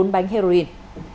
bốn bánh heroin